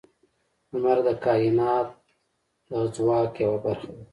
• لمر د کائنات د ځواک یوه برخه ده.